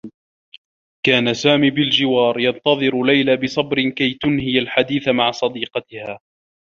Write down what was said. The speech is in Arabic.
كان سامي بالجوار، ينتظر ليلى بصبر كي تنهي الحديث مع صديقاتها.